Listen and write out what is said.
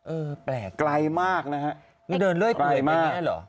เออแปลกไกลมากนะฮะแล้วเดินเรื่อยแบบนี้หรอ